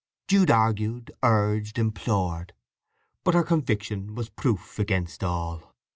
Jude argued, urged, implored; but her conviction was proof against all.